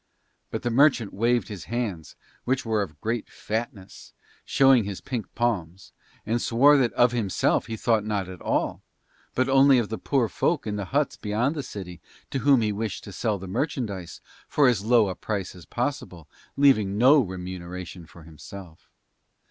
But the merchant waved his hands, which were of great fatness, showing his pink palms, and swore that of himself he thought not at all, but only of the poor folk in the huts beyond the city to whom he wished to sell the merchandise for as low a price as possible, leaving no remuneration for himself.